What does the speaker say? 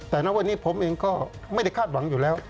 แต่ณวันนี้ผมเองก็ไม่ได้คาดหวังอยู่แล้ว